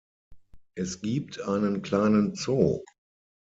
Es gibt einen kleinen Zoo.